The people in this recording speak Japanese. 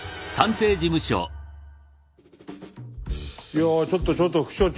いやちょっとちょっと副所長。